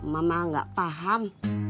mama gak paham